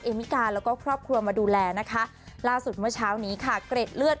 มิกาแล้วก็ครอบครัวมาดูแลนะคะล่าสุดเมื่อเช้านี้ค่ะเกร็ดเลือด